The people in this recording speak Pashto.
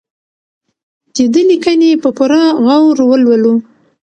د ده لیکنې په پوره غور ولولو.